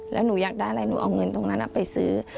แล้วหนูอยากได้อะไรหนูเอาเงินตรงนั้นไปซื้อ